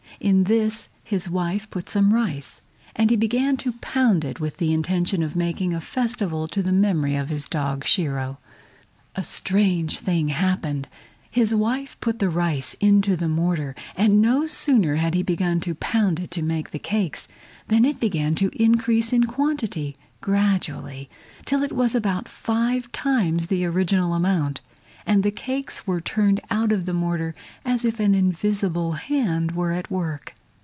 In this his wife put some rice, and he began to pound it with the intention of making a festival to the memory of his dog Shiro. A strange thing happened! His wife put the rice into the mortar, and no sooner had he begun to pound it to make the cakes, than it began to increase in quantity gradually till it was about five times the original amount, and the cakes were turned out of the mortar as if an invisible hand were at work.